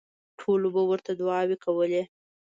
ټولو به ورته دوعاوې کولې.